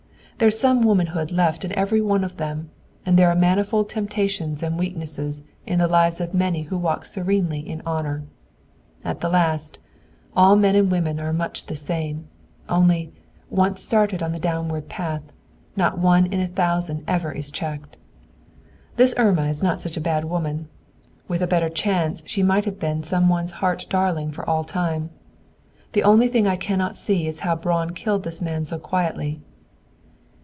There's some womanhood left in every one of them, and there are manifold temptations and weaknesses in the lives of many who walk serenely in honor. At the last, all men and women are much the same; only, once started on the downward path, not one in a thousand ever is checked! "This Irma is not such a bad woman; with a better chance she might have been some one's heart darling for all time. The only thing I cannot see is how Braun killed this man so quietly."